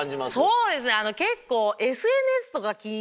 そうですね結構。